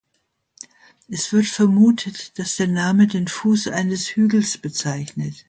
Es wird vermutet, dass der Name den Fuß eines Hügels bezeichnet.